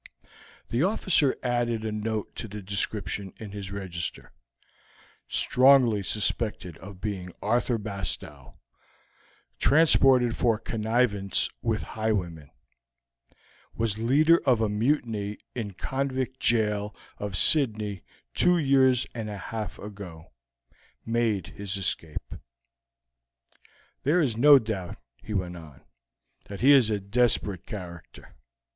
The officer added a note to the description in his register: "Strongly suspected of being Arthur Bastow, transported for connivance with highwaymen; was leader of a mutiny in convict jail of Sydney two years and a half ago. Made his escape." "There is no doubt," he went on, "that he is a desperate character.